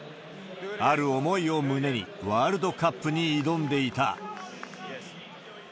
ある思いを胸に、ワールドカップに挑んでいた。